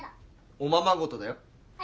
おままごとだよ。